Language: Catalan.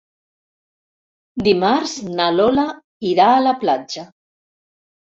Dimarts na Lola irà a la platja.